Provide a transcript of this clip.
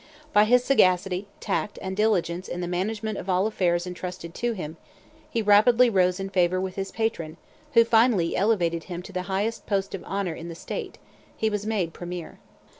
By his sagacity, tact, and diligence in the management of all affairs intrusted to him, he rapidly rose in favor with his patron, who finally elevated him to the highest post of honor in the state: he was made premier.